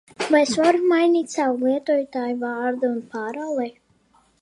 Vai es varu mainīt savu lietotājvārdu un paroli?